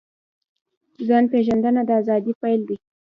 ځان پېژندنه د ازادۍ پیل دی.